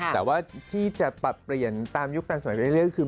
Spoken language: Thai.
แต่ว่าที่จะปรับเปลี่ยนตามยุคทันสมัยเรื่อยคือ